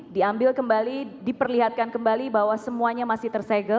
diambil kembali diperlihatkan kembali bahwa semuanya masih tersegel